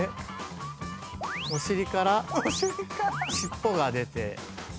お尻から尻尾が出て。